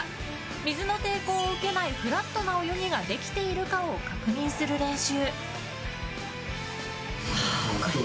水の抵抗を受けないフラットな泳ぎができているかを確認する練習。